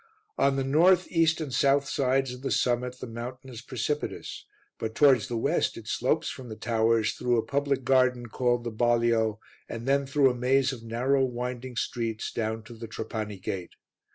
On the north, east and south sides of the summit the mountain is precipitous, but towards the west it slopes from the towers through a public garden called the Balio, and then through a maze of narrow, winding streets, down to the Trapani gate.